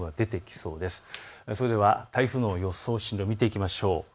それでは台風の予想進路を見ていきましょう。